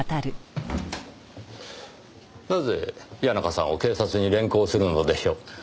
なぜ谷中さんを警察に連行するのでしょう？